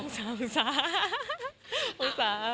องศา